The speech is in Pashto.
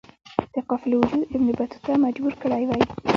د قافلو وجود ابن بطوطه مجبور کړی وی.